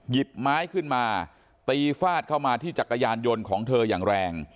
หยิบไม้ขึ้นมาตีฟาดเข้ามาที่จักรยานยนต์ของเธออย่างแรง